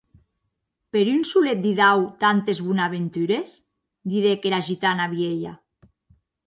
Per un solet didau tantes bonaventures?, didec era gitana vielha.